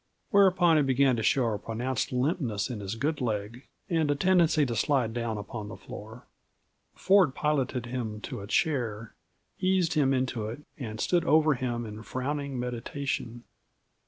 Whereupon he began to show a pronounced limpness in his good leg, and a tendency to slide down upon the floor. Ford piloted him to a chair, eased him into it, and stood over him in frowning meditation.